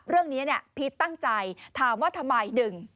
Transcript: เรื่องนี้พีชตั้งใจถามว่าทำไม